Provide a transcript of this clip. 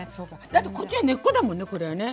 だってこっちは根っこだもんねこれはね。